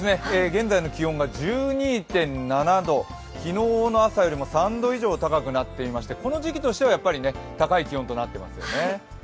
現在の気温が１２．７度、昨日の朝よりも３度以上高くなっていましてこの時期としてはやっぱり高い気温となっているんですね。